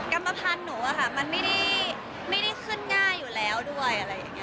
กรรมพันธ์หนูมันไม่ได้ขึ้นง่ายอยู่แล้วด้วย